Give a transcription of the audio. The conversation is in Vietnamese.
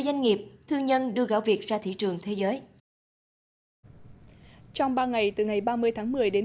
doanh nghiệp thương nhân đưa gạo việt ra thị trường thế giới trong ba ngày từ ngày ba mươi tháng một mươi đến